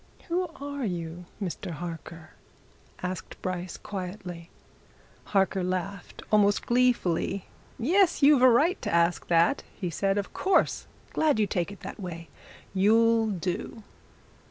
"Who are you, Mr. Harker?" asked Bryce quietly. Harker laughed almost gleefully. "Yes, you've a right to ask that!" he said. "Of course! glad you take it that way. You'll do!"